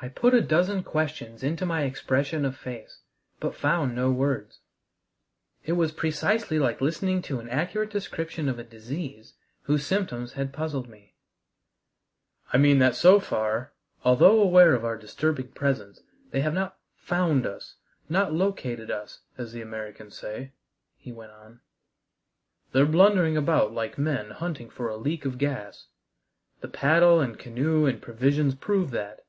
I put a dozen questions into my expression of face, but found no words. It was precisely like listening to an accurate description of a disease whose symptoms had puzzled me. "I mean that so far, although aware of our disturbing presence, they have not found us not 'located' us, as the Americans say," he went on. "They're blundering about like men hunting for a leak of gas. The paddle and canoe and provisions prove that.